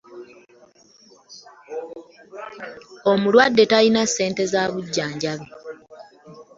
Omulwadde talina ssente z'abujjanjabi.